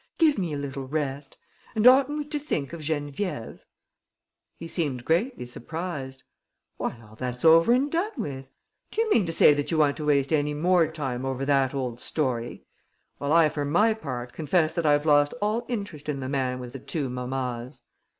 Give me a little rest!... And oughtn't we to think of Geneviève?" He seemed greatly surprised: "Why, all that's over and done with! Do you mean to say you want to waste any more time over that old story? Well, I for my part confess that I've lost all interest in the man with the two mammas."